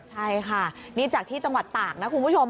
ใช่ค่ะนี่จากที่จังหวัดตากนะคุณผู้ชม